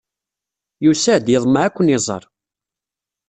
Yusa-d, yeḍmeɛ ad ken-iẓer.